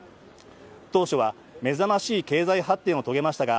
当初は目覚ましい経済発展を遂げましたが